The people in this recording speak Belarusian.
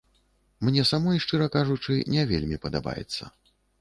Мне самой, шчыра кажучы, не вельмі падабаецца.